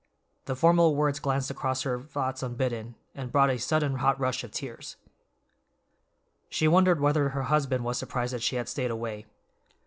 The formal words glanced across her thoughts unbidden, and brought a sudden hot rush of tears. She wondered whether her husband was surprised that she had stayed away.